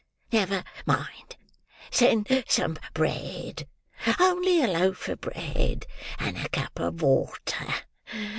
Never mind; send some bread—only a loaf of bread and a cup of water.